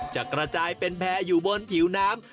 จะกระจายเป็นแพร่อยู่บนผิวน้ำ